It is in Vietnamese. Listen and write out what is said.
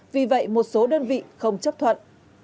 vì vậy một số đơn vị không chấp thuận